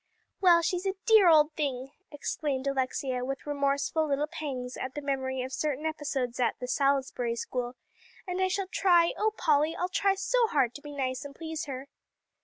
"Well, she's a dear old thing," exclaimed Alexia, with remorseful little pangs at the memory of certain episodes at the 'Salisbury School,' "and I shall try oh, Polly, I'll try so hard to be nice and please her."